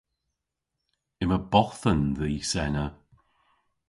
Yma bothen dhis ena.